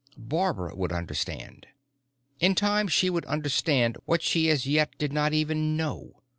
Barbara would understand. In time she would understand what she as yet did not even know.